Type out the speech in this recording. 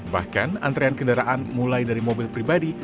bahkan antrean kendaraan mulai dari mobil pribadi